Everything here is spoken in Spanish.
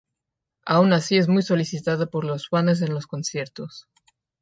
Aun así es muy solicitada por los fanes en los conciertos.